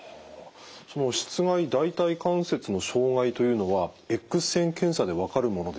そのしつ蓋大腿関節の障害というのはエックス線検査で分かるものですか？